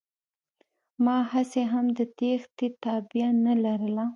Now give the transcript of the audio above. ما هسې هم د تېښتې تابيا نه لرله.